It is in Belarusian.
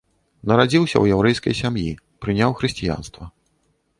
Нарадзіўся ў яўрэйскай сям'і, прыняў хрысціянства.